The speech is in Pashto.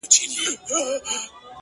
• چی له خپلو انسانانو مو زړه شین سي,